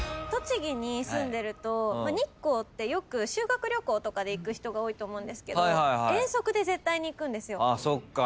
日光ってよく修学旅行とかで行く人が多いと思うんですけど遠足で絶対に行くんですよ。